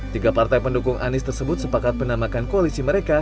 tiga partai pendukung anies tersebut sepakat menamakan koalisi mereka